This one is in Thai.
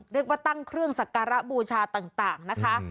เรียกว่าตั้งเครื่องสักการะบูชาต่างนะคะ